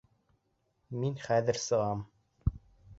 Мин хәҙер сығам.